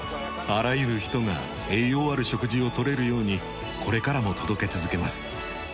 あらゆる人が栄養ある食事を取れるようにこれからも届け続けます。